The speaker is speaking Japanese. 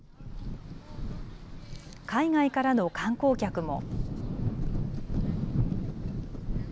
海外からの観光客も。